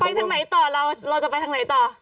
ไปทางไหนต่อเราเราจะไปทางไหนต่อ